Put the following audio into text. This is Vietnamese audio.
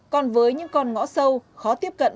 còn với những con ngõ sâu khó tiếp cận